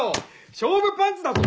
勝負パンツだぞ！